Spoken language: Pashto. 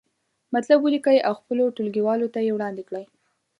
مطلب ولیکئ او خپلو ټولګیوالو ته یې وړاندې کړئ.